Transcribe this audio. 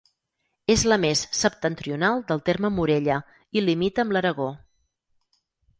És la més septentrional del terme Morella i limita amb l'Aragó.